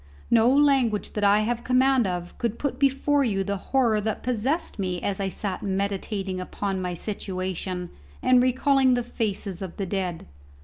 No language that I have command of could put before you the horror that possessed me as I sat meditating upon my situation and recalling the faces of the dead.